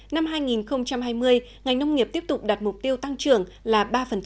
năm hai nghìn hai mươi ngành nông nghiệp tiếp tục đạt mục tiêu tăng trưởng là ba